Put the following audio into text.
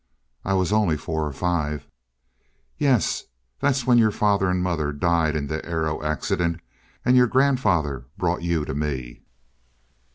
"I was only four or five." "Yes. That was when your father and mother died in the aero accident and your grandfather brought you to me."